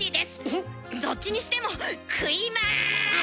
どっちにしても食います！